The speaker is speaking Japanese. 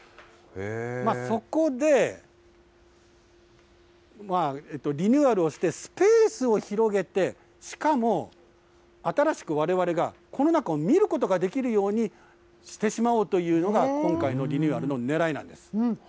そこでリニューアルをして、スペースを広げて、しかも、新しくわれわれがこの中を見ることができるようにしてしまおうというのが、今回のリニューアルのねらいなんです。